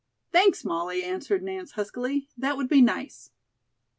"Thanks, Molly," answered Nance, huskily; "that would be nice."